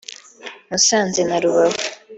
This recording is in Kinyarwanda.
Musanze na Rubavu